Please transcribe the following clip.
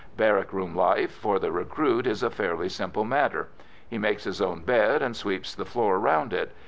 Barrack room life, for the recruit, is a fairly simple matter. He makes his own bed, and sweeps the floor round it.